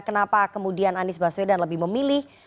kenapa kemudian anies baswedan lebih memilih